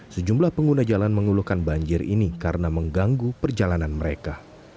sejumlah pengguna jalan mengeluhkan banjir ini karena mengganggu perjalanan mereka